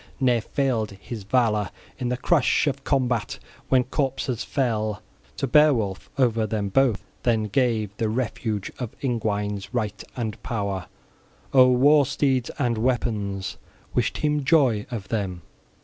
Ne'er failed his valor in the crush of combat when corpses fell. To Beowulf over them both then gave the refuge of Ingwines right and power, o'er war steeds and weapons: wished him joy of them.